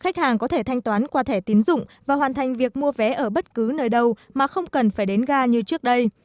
khách hàng có thể thanh toán qua thẻ tín dụng và hoàn thành việc mua vé ở bất cứ nơi đâu mà không cần phải đến ga như trước đây